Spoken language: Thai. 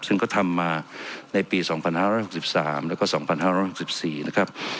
ซึ่งก็ทำมาในปี๒๕๖๓แล้วก็๒๕๖๔นะครับ